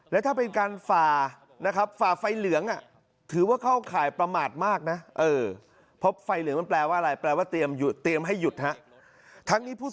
และถ้าเป็นการฝ่าฝ่าไฟเหลือง